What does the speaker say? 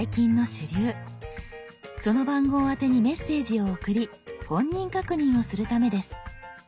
その番号宛てにメッセージを送り本人確認をするためです。